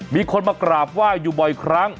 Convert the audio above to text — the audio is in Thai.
มีคนมากราบไหว้อยู่บ่อยครั้ง